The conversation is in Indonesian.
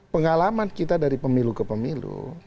pengalaman kita dari pemilu ke pemilu